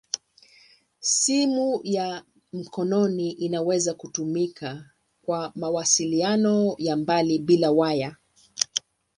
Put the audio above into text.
Simu ya mkononi inaweza kutumika kwa mawasiliano ya mbali bila waya.